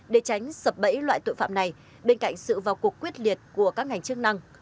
để tránh sập bẫy loại tội phạm này bên cạnh sự vào cuộc quyết liệt của các ngành chức năng